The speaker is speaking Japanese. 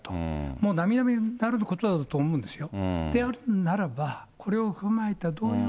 もう並々ならぬことだと思うんですよ。